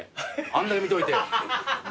あんだけ見といて。